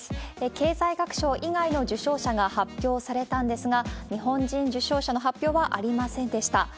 経済学賞以外の受賞者が発表されたんですが、日本人受賞者の発表はありませんでした。